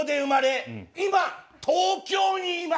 今東京にいます。